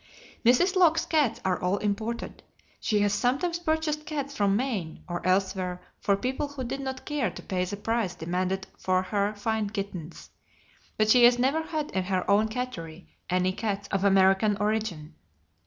Mrs. Locke's cats are all imported. She has sometimes purchased cats from Maine or elsewhere for people who did not care to pay the price demanded for her fine kittens, but she has never had in her own cattery any cats of American origin.